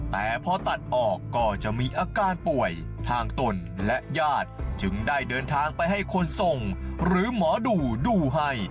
แต่พอตัดออกก็จะมีอาการป่วยทางตนและญาติจึงได้เดินทางไปให้คนส่งหรือหมอดูดูให้